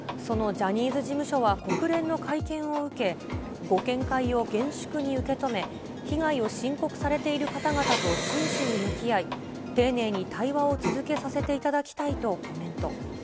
ジャニーズ事務所は国連の会見を受け、ご見解を厳粛に受け止め、被害を申告されている方々と真摯に向き合い、丁寧に対話を続けさせていただきたいとコメント。